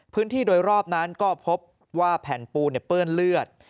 พื้นที่โดยรอบนั้นก็พบว่าแผ่นปูเปื้อนเลือด